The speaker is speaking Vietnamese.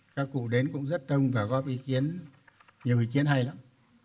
các cụ đến cũng rất đông và góp ý kiến nhiều ý kiến hay lắm